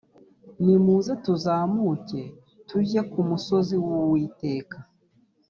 nimuze tuzamuke tujye ku musozi w uwiteka